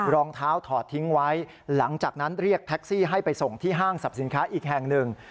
รองเท้าถอดทิ้งไว้หลังจากนั้นเรียกแท็กซี่ให้ไปส่งที่ห้างสรรพสินค้าอีกแห่งหนึ่ง